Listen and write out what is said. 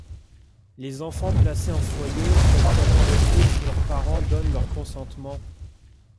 Les enfants placés en foyer peuvent être adoptés si leurs parents donnent leur consentement.